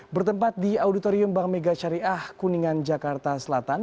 bertempat di auditorium bank megasyariah kuningan jakarta selatan